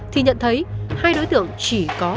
thì nhận thấy hai đối tượng chỉ có